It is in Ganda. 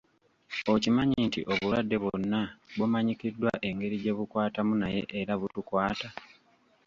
Okimanyi nti obulwadde bwonna bumanyikiddwa engeri gye bukwatamu naye era butukwata.